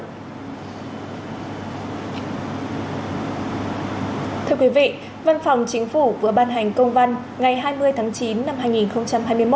thưa quý vị văn phòng chính phủ vừa ban hành công văn ngày hai mươi tháng chín năm hai nghìn hai mươi một